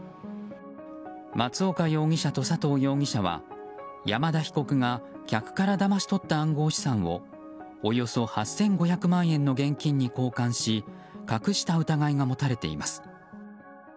松岡容疑者と佐藤容疑者は山田被告が客からだまし取った暗号資産をおよそ８５００万円の現金に交換し隠した疑いが持たれています。